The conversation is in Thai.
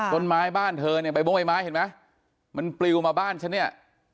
ต้นไม้บ้านเธอเนี่ยใบม้วงใบไม้เห็นไหมมันปลิวมาบ้านฉันเนี่ย